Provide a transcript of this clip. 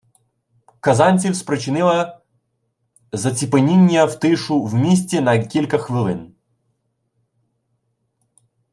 Казанців, спричинила заціпеніння і тишу в місті на кілька хвилин…